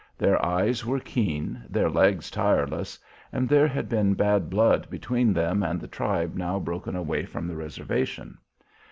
Their eyes were keen, their legs tireless, and there had been bad blood between them and the tribe now broken away from the reservation.